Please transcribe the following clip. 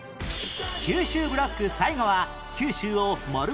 九州ブロック最後は九州を丸ごと楽しめる